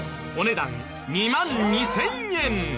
お値段２万２０００円。